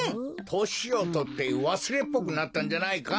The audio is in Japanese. ・としをとってわすれっぽくなったんじゃないか！？